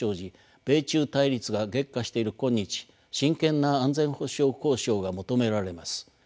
米中対立が激化している今日真剣な安全保障交渉が求められます。